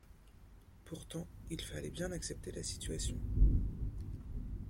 Pourtant, il fallait bien accepter la situation.